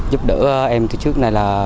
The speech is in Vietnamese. giúp đỡ em từ trước này